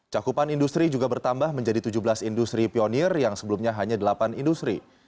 cakupan industri juga bertambah menjadi tujuh belas industri pionir yang sebelumnya hanya delapan industri